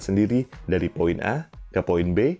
sendiri dari poin a ke poin b